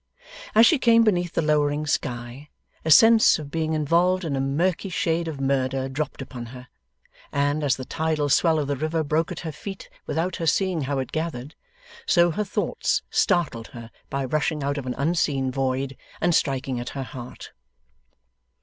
As she came beneath the lowering sky, a sense of being involved in a murky shade of Murder dropped upon her; and, as the tidal swell of the river broke at her feet without her seeing how it gathered, so, her thoughts startled her by rushing out of an unseen void and striking at her heart.